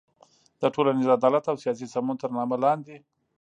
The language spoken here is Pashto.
د ټولنیز عدالت او سیاسي سمون تر نامه لاندې